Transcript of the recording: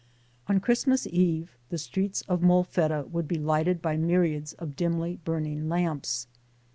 On Christmas Eve the streets of Molfetta would be lighted by myriads of dimly burning lamps.